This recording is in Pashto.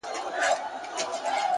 صبر د وخت له ازموینې سره مل وي,